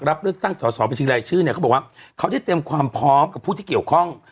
รับเลือกตั้งสอสอบัญชีรายชื่อเนี่ยเขาบอกว่าเขาได้เตรียมความพร้อมกับผู้ที่เกี่ยวข้อง